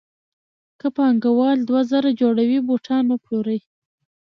که پانګوال دوه زره جوړې بوټان وپلوري